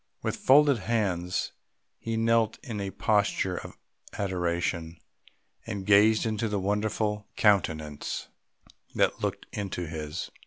With folded hands he knelt in a posture of adoration, and gazed into the wonderful countenance that looked into his.